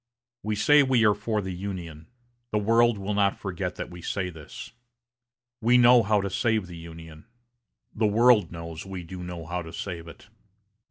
We say we are for the Union. The world will not forget that we say this. We know how to save the Union. The world knows we do know how to save it.